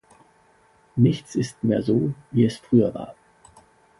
Nichts ist mehr so, wie es früher war.